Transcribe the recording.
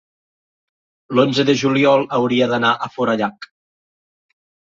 l'onze de juliol hauria d'anar a Forallac.